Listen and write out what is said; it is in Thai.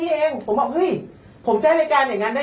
เอามาพูดหรือสื่อว่าผมไปรับรองให้พวกนี้